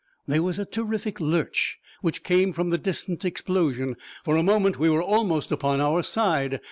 There was a terrific lurch, which came from the distant explosion. For a moment we were almost upon our side.